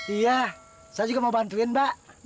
iya saya juga mau bantuin mbak